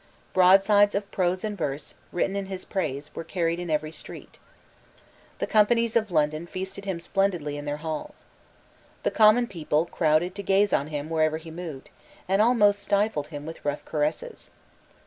Broadsides of prose and verse written in his praise were cried in every street. The Companies of London feasted him splendidly in their halls. The common people crowded to gaze on him wherever he moved, and almost stifled him with rough caresses.